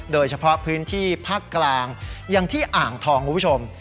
โดยเฉพาะพื้นที่ภาคกลางอย่างที่อ่างทองคุณผู้ชม